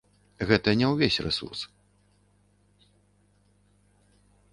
Гэта не ўвесь рэсурс.